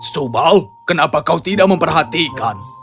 subal kenapa kau tidak memperhatikan